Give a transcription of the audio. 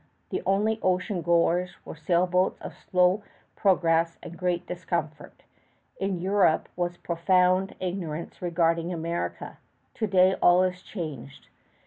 The only ocean goers were sailboats of slow progress and great discomfort. In Europe was profound ignorance regarding America; to day all is changed.